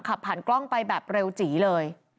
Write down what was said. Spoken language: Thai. ขับผ่านกล้องไปแบบเร็วจีเลย